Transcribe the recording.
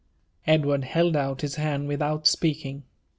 Edward held out his band without speaking.